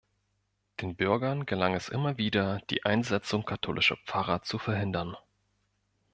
Den Bürgern gelang es immer wieder, die Einsetzung katholischer Pfarrer zu verhindern.